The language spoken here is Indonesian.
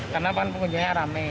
karena pengunjungnya rame